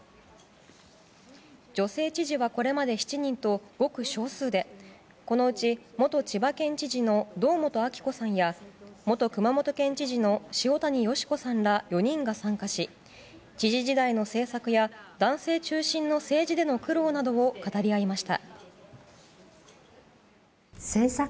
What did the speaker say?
女性知事はこれまで７人とごく少数で、このうち元千葉県知事の堂本暁子さんや前熊本県知事の潮谷義子さんら元千葉県知事の堂本暁子さんや前熊本県知事の潮谷義子さんら４人が参加し知事時代の政策や男性中心の政治での苦労などを語り合いました。